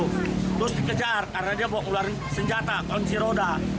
terus dikejar karena dia bawa ular senjata kunci roda